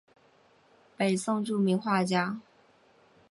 北宋著名画家。